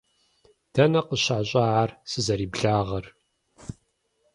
Дэнэ къыщащӀа ар сызэриблагъэр?